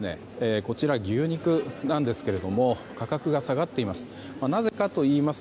こちら牛肉なんですけども価格が下がっています。